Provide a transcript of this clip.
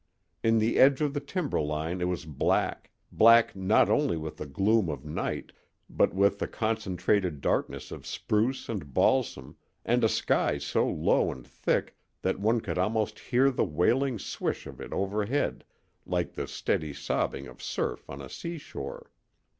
In the edge of the timber line it was black, black not only with the gloom of night, but with the concentrated darkness of spruce and balsam and a sky so low and thick that one could almost hear the wailing swish of it overhead like the steady sobbing of surf on a seashore.